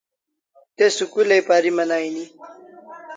Te school ai pariman aini